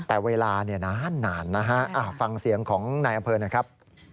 แต่เวลานานนะฮะฟังเสียงของนายอำเภอหน่อยครับ